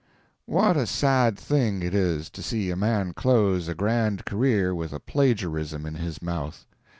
What a sad thing it is to see a man close a grand career with a plagiarism in his mouth.